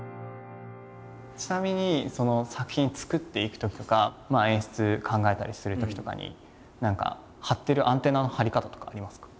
ちなみに作品作っていくときとか演出考えたりするときとかに何か張ってるアンテナの張り方とかありますか？